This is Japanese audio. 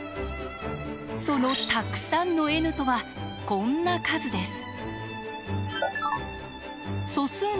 そのたくさんのｎとはこんな数です。